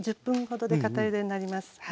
１０分ほどでかたゆでになります。